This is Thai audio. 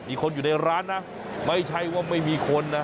อีกคนอยู่ในร้านนะไม่ใช่ว่าไม่มีคนนะ